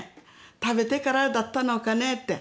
食べてからだったのかねって。